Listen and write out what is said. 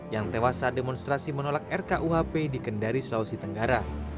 yang tewas saat demonstrasi menolak rkuhp di kendari sulawesi tenggara